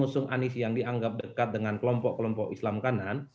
mengusung anies yang dianggap dekat dengan kelompok kelompok islam kanan